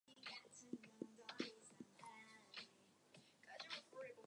As of that date, the predecessor statutes are repealed.